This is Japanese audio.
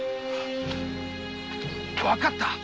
わかった。